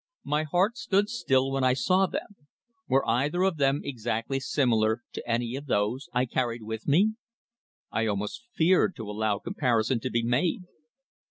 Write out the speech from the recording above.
My heart stood still when I saw them. Were either of them exactly similar to any of those I carried with me? I almost feared to allow comparison to be made.